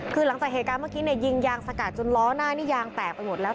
คือหลังจากเหตุการณ์เมื่อกี้เนี่ยยิงยางสกัดจนล้อหน้านี่ยางแตกไปหมดแล้ว